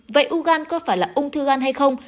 vậy u gan có phải là ung thư gan hay không